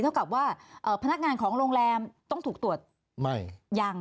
เท่ากับว่าพนักงานของโรงแรมต้องถูกตรวจไม่ยัง